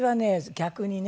逆にね